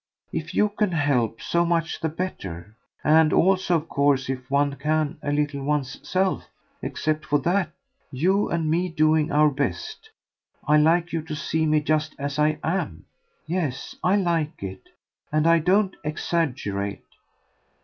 If you can help, so much the better and also of course if one can a little one's self. Except for that you and me doing our best I like you to see me just as I am. Yes, I like it and I don't exaggerate.